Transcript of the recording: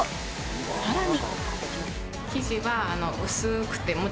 さらに。